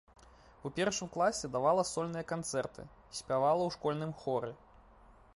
У першым класе давала сольныя канцэрты, спявала ў школьным хоры.